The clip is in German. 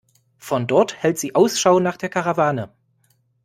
Von dort hält sie Ausschau nach der Karawane.